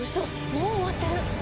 もう終わってる！